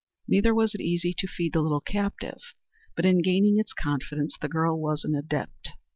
Neither was it easy to feed the little captive; but in gaining its confidence the girl was an adept.